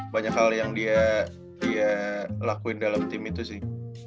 banyak hal yang dia lakuin dalam tim itu sih